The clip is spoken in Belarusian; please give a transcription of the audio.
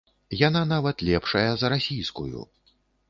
Яна нават лепшая за расійскую.